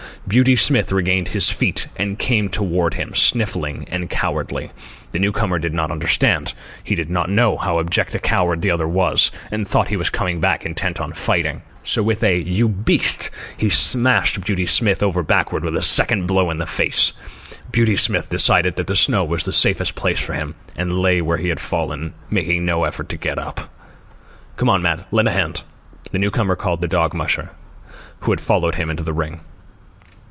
Beauty Smith regained his feet and came toward him, sniffling and cowardly. The new comer did not understand. He did not know how abject a coward the other was, and thought he was coming back intent on fighting. So, with a "You beast!" he smashed Beauty Smith over backward with a second blow in the face. Beauty Smith decided that the snow was the safest place for him, and lay where he had fallen, making no effort to get up. "Come on, Matt, lend a hand," the newcomer called the dog musher, who had followed him into the ring.